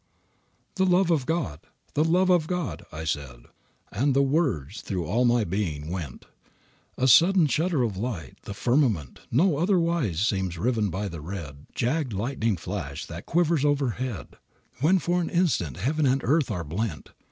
"The love of God! The love of God!" I said, And at the words through all my being went A sudden shudder of light; the firmament Not otherwise seems riven by the red Jagg'd lightning flash that quivers overhead When for an instant heaven and earth are blent.